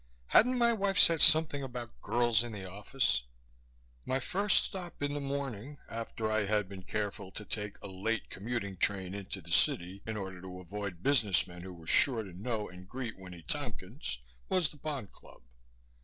Hadn't my wife said something about girls in the office? My first stop in the morning, after I had been careful to take a late commuting train in to the city in order to avoid business men who were sure to know and greet Winnie Tompkins, was the Pond Club.